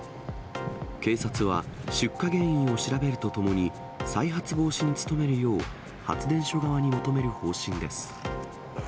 警察は出火原因を調べるとともに、再発防止に努めるよう、発電所側に求める方針です。